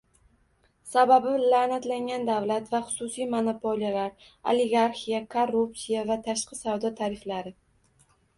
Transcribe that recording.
Sababi - la'natlangan davlat va xususiy monopoliyalar, oligarxiya, korrupsiya va tashqi savdo tariflari